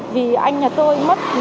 vì anh nhà tôi mất